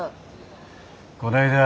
こないだ